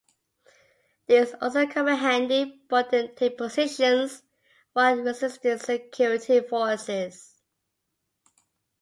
These also come in handy for them take positions while resisting security forces.